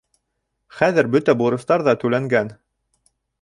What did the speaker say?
Хәҙер бөтә бурыстар ҙа түләнгән.